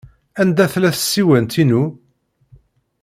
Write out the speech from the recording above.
Anda tella tsiwant-inu?